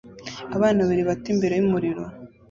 Abana babiri bato imbere yumuriro